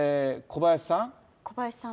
小林さん。